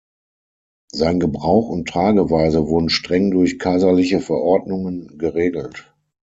Sein Gebrauch und Trageweise wurden streng durch kaiserliche Verordnungen geregelt.